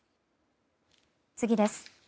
次です。